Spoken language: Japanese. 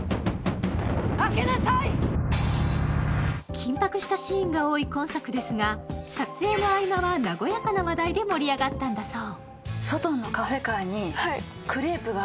緊迫したシーンが多い今作ですが撮影の合間は和やかな話題で盛り上がったんだそう。